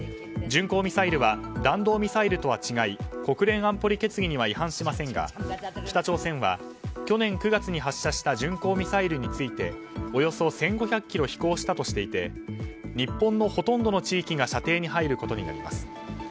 巡航ミサイルは弾道ミサイルとは違い国連安保理決議には違反しませんが北朝鮮は去年９月に発射した巡航ミサイルについておよそ１５００ｋｍ飛行したとしていて日本のほとんどの地域が射程に入ることになります。